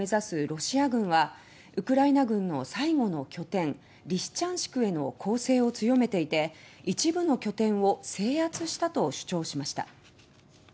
ロシア軍はウクライナ軍の最後の拠点リシチャンシクへの攻勢を強めていて「一部の拠点を制圧した」と主張しました。